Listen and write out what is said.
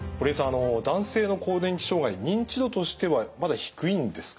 あの男性の更年期障害認知度としてはまだ低いんですか？